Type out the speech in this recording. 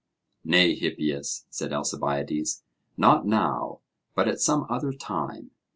Nay, Hippias, said Alcibiades; not now, but at some other time.